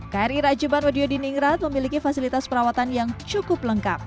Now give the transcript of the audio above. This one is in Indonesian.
kri rajiman widyodiningrat memiliki fasilitas perawatan yang cukup lengkap